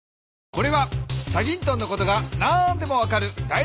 これは『チャギントン』のことが何でも分かるだい